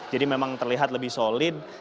jadi memang terlihat lebih solid